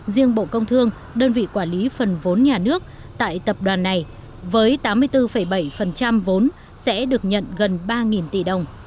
riêng bộ công thương đơn vị quản lý phần vốn nhà nước tại tập đoàn này với tám mươi bốn bảy vốn sẽ được nhận gần ba tỷ đồng